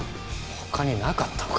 他になかったのか